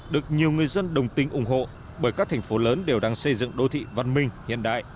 được nhiều người dân đồng tính ủng hộ bởi các thành phố lớn đều đang xây dựng đô thị văn minh hiện đại